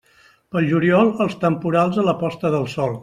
Pel juliol, els temporals a la posta del sol.